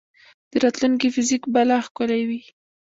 د راتلونکي فزیک به لا ښکلی وي.